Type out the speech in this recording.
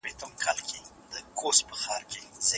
موږ کولی شو د هرې سختۍ په سر د هوساینۍ قدم کېږدو.